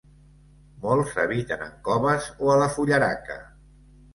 Molts habiten en coves o a la fullaraca.